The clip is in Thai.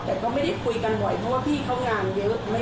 แต่ก็ไม่ได้คุยกันบ่อยเพราะว่าพี่เขางานเยอะ